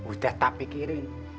udah tapi kirim